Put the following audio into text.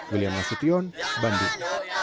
william nasution bandung